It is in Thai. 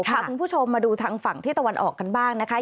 พาคุณผู้ชมมาดูทางฝั่งที่ตะวันออกกันบ้างนะคะ